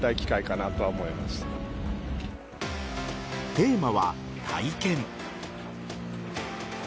テーマは体験。